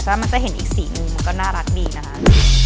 แล้วมันจะเห็นอีก๔มุมมันก็น่ารักดีนะคะ